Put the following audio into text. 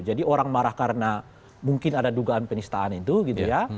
jadi orang marah karena mungkin ada dugaan penistaan itu gitu ya